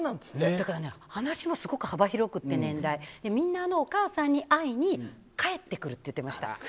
だからね、話もすごく幅広くってね、年代、みんなあのお母さんに会いに帰ってくるって言ってました。